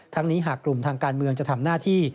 นี้หากกลุ่มทางการเมืองจะทำหน้าที่